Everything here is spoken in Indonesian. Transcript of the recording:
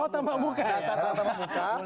mulai tanpa bunggung